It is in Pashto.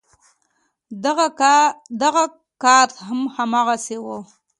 دغه کارت هم هماغسې و.